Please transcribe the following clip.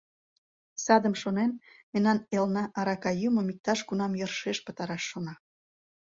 Садым шонен, мемнан элна арака йӱмым иктаж-кунам йӧршеш пытараш шона...